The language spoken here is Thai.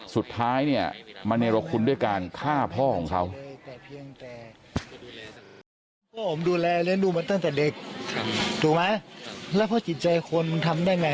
สุดท้ายเนี่ยมาเนรคุณด้วยการฆ่าพ่อของเขา